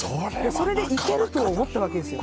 それでいけると思ったわけですよね。